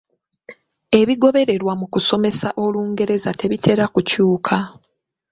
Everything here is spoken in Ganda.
Ebigobererwa mu kusomesa Olungereza tebitera kukyuka.